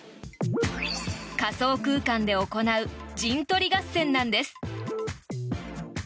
仮想空間で行う陣取り合戦なんです。